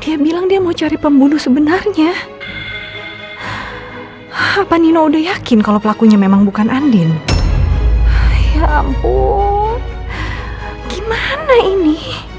dia bilang dia mau cari pembunuh sebenarnya apa nina udah yakin kalau pelakunya memang bukan andin ya ampun gimana ini